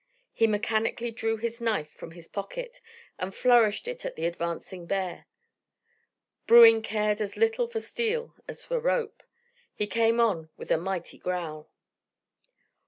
He mechanically drew his knife from its pocket and flourished it at the advancing bear. Bruin cared as little for steel as for rope. He came on with a mighty growl.